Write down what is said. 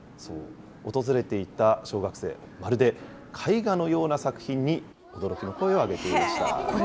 訪れていた小学生、まるで絵画のような作品に驚きの声を上げていました。